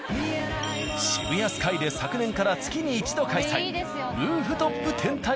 ＳＨＩＢＵＹＡＳＫＹで昨年からなるほど。